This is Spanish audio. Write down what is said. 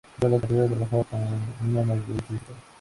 Mientras estudiaba la carrera trabajó en una revista digital.